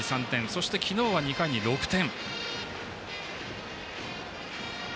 そして昨日は２回に６点。